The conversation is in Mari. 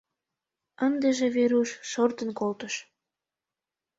Ындыже Веруш шортын колтыш.